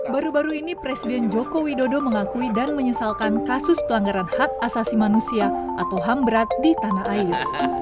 baru baru ini presiden joko widodo mengakui dan menyesalkan kasus pelanggaran hak asasi manusia atau ham berat di tanah air